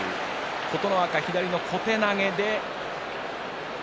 琴ノ若、左の小手投げ。